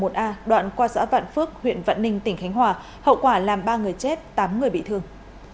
đoạn qua xã vạn phước huyện vạn ninh tỉnh khánh hòa hậu quả làm ba người chết tám người bị thương